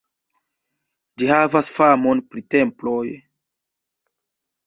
Ĝi havas famon pri temploj.